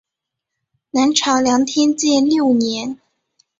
南朝梁天监六年。